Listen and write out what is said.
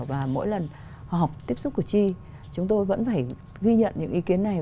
và mỗi lần họ học tiếp xúc của chi chúng tôi vẫn phải ghi nhận những ý kiến này